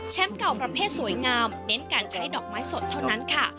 เก่าประเภทสวยงามเน้นการใช้ดอกไม้สดเท่านั้นค่ะ